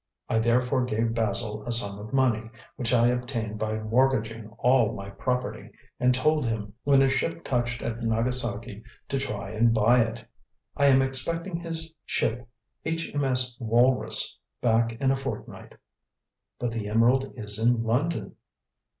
I therefore gave Basil a sum of money, which I obtained by mortgaging all my property, and told him, when his ship touched at Nagasaki, to try and buy it. I am expecting his ship, H.M.S. Walrus, back in a fortnight." "But the emerald is in London."